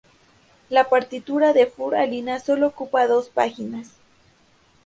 La partitura de "Für Alina" solo ocupa dos páginas.